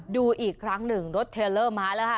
ดูอีกครั้งหนึ่งรถเทลเลอร์มาแล้วค่ะ